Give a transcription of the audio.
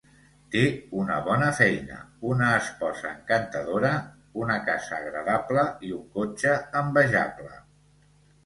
Té una bona feina, una esposa encantadora, una casa agradable i un cotxe envejable.